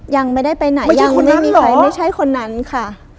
ยังไม่ได้ไปไหนยังไม่มีใครไม่ใช่คนนั้นค่ะ